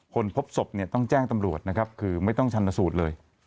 พบศพเนี่ยต้องแจ้งตำรวจนะครับคือไม่ต้องชันสูตรเลย